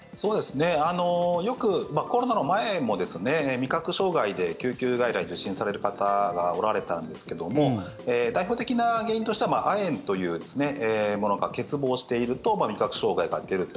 よくコロナの前も味覚障害で救急外来を受診される方がおられたんですけども代表的な原因としては亜鉛というものが欠乏していると味覚障害が出ると。